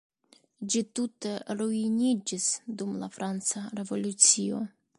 Ĝi tute ruiniĝis dum la franca revolucio.